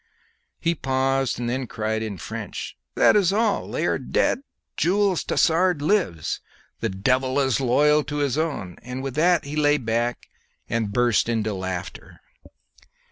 He paused and then cried in French, "That is all! They are dead Jules Tassard lives! The devil is loyal to his own!" and with that he lay back and burst into laughter.